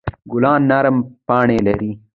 ګلان نرم پاڼې لري.